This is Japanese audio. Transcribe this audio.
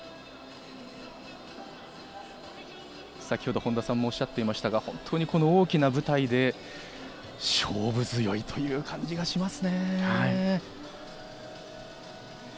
先ほど本田さんもおっしゃっていましたが本当に、この大きな舞台で勝負強いという感じがしますね。